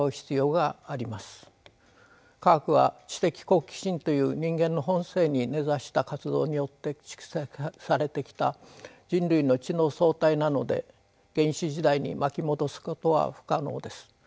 科学は知的好奇心という人間の本性に根ざした活動によって蓄積されてきた人類の知の総体なので原始時代に巻き戻すことは不可能です。